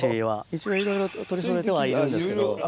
一応いろいろ取りそろえてはいるんですけど。